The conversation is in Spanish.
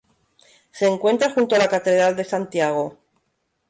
Se encuentra junto a la Catedral de Santiago.